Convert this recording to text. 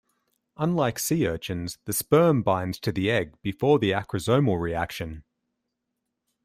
Unlike sea urchins, the sperm binds to the egg before the acrosomal reaction.